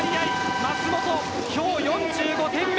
舛本、今日４５点目。